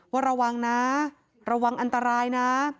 ว่าระวังนะระวังอันตรายนะ